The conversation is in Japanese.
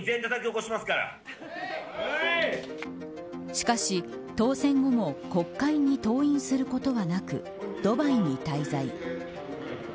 しかし、当選後も国会に登院することはなくドバイに滞在。